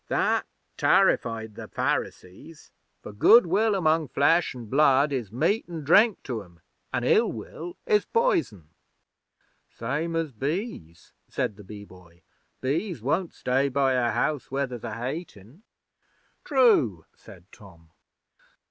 That tarrified the Pharisees: for Goodwill among Flesh an' Blood is meat an' drink to 'em, an' ill will is poison.' 'Same as bees,' said the Bee Boy. 'Bees won't stay by a house where there's hating.' 'True,' said Tom.